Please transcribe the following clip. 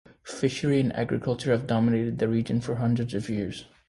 Fishery and agriculture have dominated the region for hundreds of years.